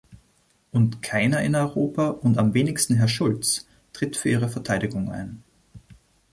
Und keiner in Europa, und am wenigsten Herr Schulz, tritt für ihre Verteidigung ein.